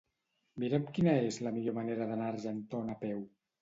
Mira'm quina és la millor manera d'anar a Argentona a peu.